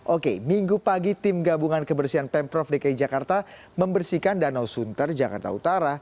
oke minggu pagi tim gabungan kebersihan pemprov dki jakarta membersihkan danau sunter jakarta utara